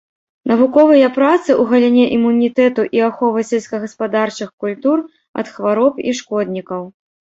Навуковыя працы ў галіне імунітэту і аховы сельскагаспадарчых культур ад хвароб і шкоднікаў.